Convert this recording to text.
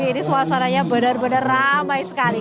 ini suasananya benar benar ramai sekali